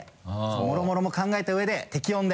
もろもろも考えたうえで適温で。